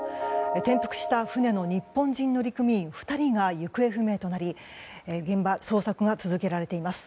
転覆した船の日本人乗組員２人が行方不明となり、現場捜索が続けられています。